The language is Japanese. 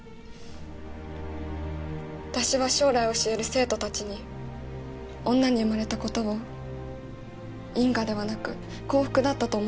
私は将来教える生徒たちに女に生まれたことを因果ではなく幸福だったと思ってほしい。